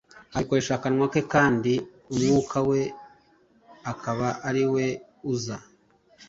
abikoresha akanwa ke kandi umwuka we akaba ari we uza